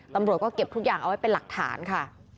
ตำรวจก็เก็บทุกอย่างเอาไว้เป็นหลักฐานค่ะ